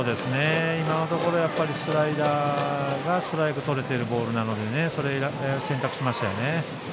今のところスライダーがストライクをとれているボールなので選択しましたよね。